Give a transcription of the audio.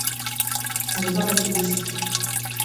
Ce n'est pas pathologique.